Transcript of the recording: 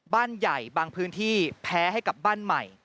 บ้านใหญ่บางพื้นที่แพ้ให้กับบ้านใหม่